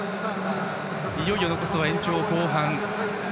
いよいよ残すは延長後半。